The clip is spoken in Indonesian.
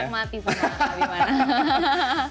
kontrak mati pun abimana